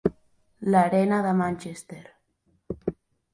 L'Arena de Manchester.